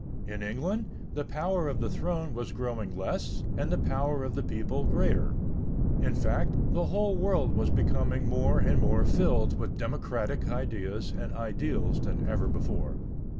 In England, the power of the throne was growing less and the power of the people greater. In fact, the whole world was becoming more and more filled with democratic ideas and ideals than ever before.